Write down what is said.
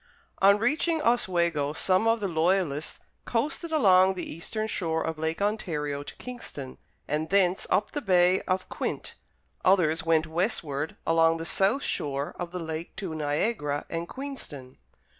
On reaching Oswego, some of the Loyalists coasted along the eastern shore of Lake Ontario to Kingston, and thence up the Bay of Quinte; others went westward along the south shore of the lake to Niagara and Queenston.